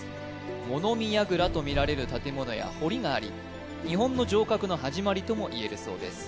物見やぐらとみられる建物や堀があり日本の城郭の始まりともいえるそうです